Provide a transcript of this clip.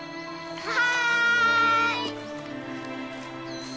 はい！